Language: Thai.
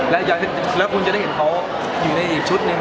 แล้วคุณจะได้เห็นเขาอยู่ในอีกชุดหนึ่ง